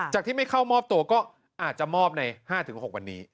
ที่ไม่เข้ามอบตัวก็อาจจะมอบใน๕๖วันนี้